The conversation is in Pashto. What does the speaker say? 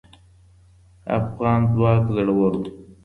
افغان ځواک زړور و